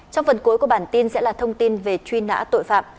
trong phần cuối của bản tin sẽ là thông tin về truy nã tội phạm